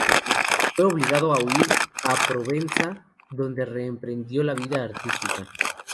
Fue obligado a huir a Provenza, donde reemprendió la vida artística.